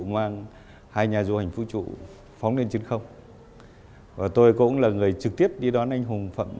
mang hai nhà du hành vũ trụ phóng lên trên không và tôi cũng là người trực tiếp đi đón anh hùng